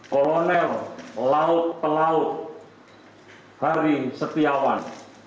kolonel laut pelaut hari setiawan